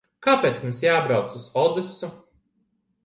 Kāpēc mums jābrauc uz Odesu?